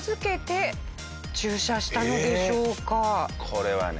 これはね。